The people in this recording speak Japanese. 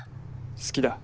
好きだ。